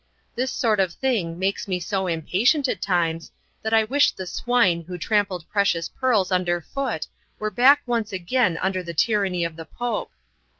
This sort of thing makes me so impatient at times that I wish the swine who trampled precious pearls under foot were back once again under the tyranny of the Pope.